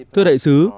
thưa đại sứ